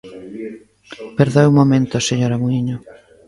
Perdoe un momento, señora Muíño.